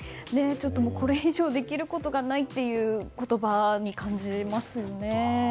これ以上できることがないという言葉に感じますよね。